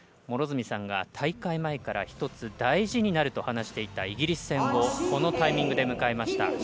両角さんが大会前から１つ大事になると話していたイギリス戦をこのタイミングで迎えました。